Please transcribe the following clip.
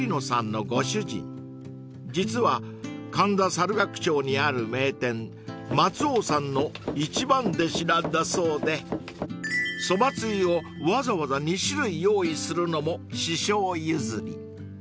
実は神田猿楽町にある名店松翁さんの一番弟子なんだそうでそばつゆをわざわざ２種類用意するのも師匠譲り］